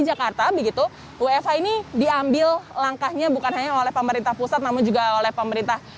jakarta begitu wfh ini diambil langkahnya bukan hanya oleh pemerintah pusat namun juga oleh pemerintah